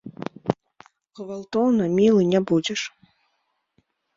Гвалтоўна мілы не будзеш.